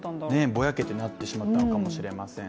ぼやけて、なってしまったのかもしれません。